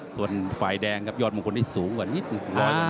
ส่วนฝ่ายแดงครับยอดมงคลได้สูงกว่านิดนึกเลยนะครับ